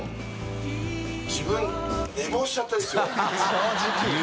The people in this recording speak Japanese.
正直。